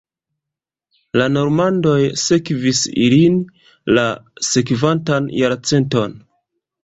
La normandoj sekvis ilin la sekvantan jarcenton.